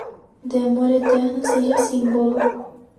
De amor eterno seja símbolo